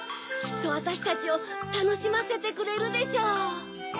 きっとわたしたちをたのしませてくれるでしょう！